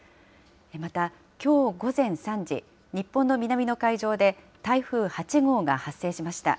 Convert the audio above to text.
また、きょう午前３時、日本の南の海上で台風８号が発生しました。